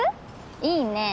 いいね。